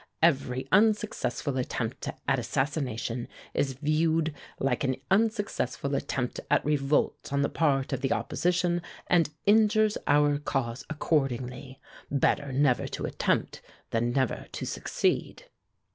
Every unsuccessful attempt at assassination is viewed like an unsuccessful attempt at revolt on the part of the opposition, and injures our cause accordingly. Better never to attempt than never to succeed."